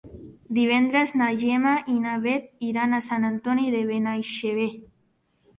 Divendres na Gemma i na Bet iran a Sant Antoni de Benaixeve.